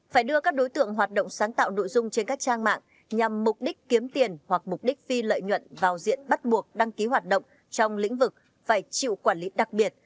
phải đưa các đối tượng hoạt động sáng tạo nội dung trên các trang mạng nhằm mục đích kiếm tiền hoặc mục đích phi lợi nhuận vào diện bắt buộc đăng ký hoạt động trong lĩnh vực phải chịu quản lý đặc biệt